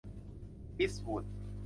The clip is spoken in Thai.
อีสต์วูด